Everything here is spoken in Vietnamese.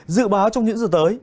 dự báo trong những giờ tới